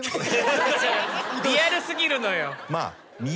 リアル過ぎるのよ。